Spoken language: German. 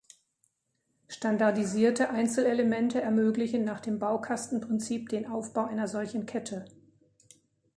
Standardisierte Einzelelemente ermöglichen nach dem Baukastenprinzip den Aufbau einer solchen Kette.